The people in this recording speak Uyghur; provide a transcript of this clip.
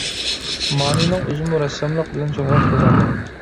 مانىنىڭ ئۆزىمۇ رەسساملىق بىلەن شۆھرەت قازانغان.